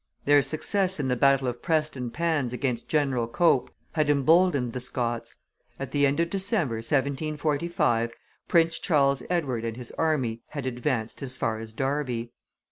Their success in the battle of Preston Pans against General Cope had emboldened the Scots; at the end of December, 1745, Prince Charles Edward and his army had advanced as far as Derby.